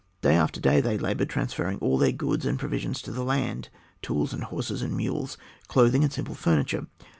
Day after day they labored, transferring all their goods and provisions to the land, tools, and horses, and mules, clothing, and simple furniture.